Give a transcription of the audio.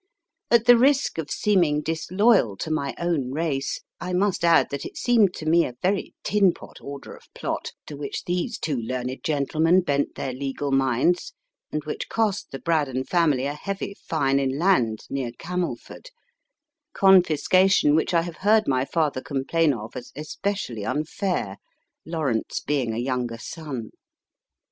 At the risk of seeming disloyal to my own race, I must add that it seemed to me a very tinpot order of plot to which these two learned gentlemen bent their legal minds, and which cost the Braddon family a heavy fine in land near Camelford confiscation which I have heard my father complain of as especially unfair Lawrence being a younger son.